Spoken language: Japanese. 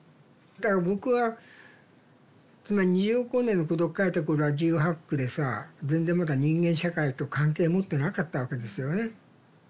だから僕はつまり「二十億光年の孤独」書いた頃は１８１９でさ全然まだ人間社会と関係持ってなかったわけですよね。